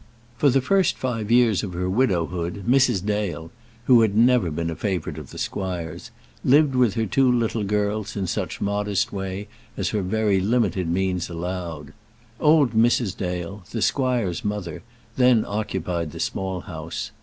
For the first five years of her widowhood, Mrs. Dale, who had never been a favourite of the squire's, lived with her two little girls in such modest way as her very limited means allowed. Old Mrs. Dale, the squire's mother, then occupied the Small House.